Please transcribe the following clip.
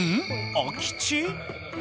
空き地？